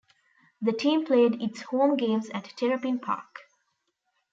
The team played its home games at Terrapin Park.